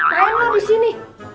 kenapa emang di sini